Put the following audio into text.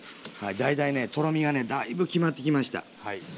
大体ねとろみがねだいぶ決まってきました。